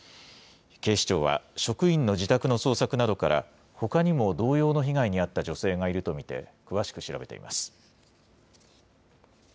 警視庁は職員の自宅の捜索などから、ほかにも同様の被害に遭った女性がいると見て、詳しく調べています。